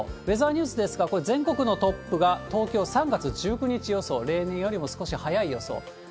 ウェザーニュースですが、全国のトップが東京３月１９日予想、例年よりも少し早い予想。